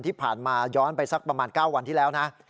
ที่ผ่านมาย้อนไปสักประมาณ๙วันที่แล้วนะ